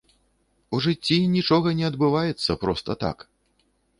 У жыцці нічога не адбываецца проста так.